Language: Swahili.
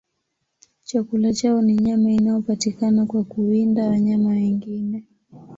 Chakula chao ni nyama inayopatikana kwa kuwinda wanyama wengine.